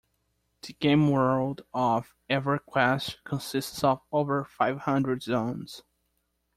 The game-world of "EverQuest" consists of over five hundred zones.